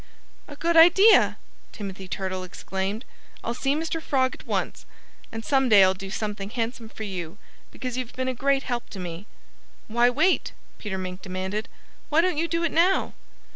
"A good idea!" Timothy Turtle exclaimed. "I'll see Mr. Frog at once. And some day I'll do something handsome for you, because you've been a great help to me." "Why wait?" Peter Mink demanded. "Why don't you do it now?"